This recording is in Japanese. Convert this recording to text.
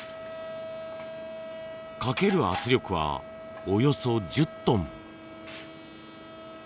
かける圧力はおよそ１０トン。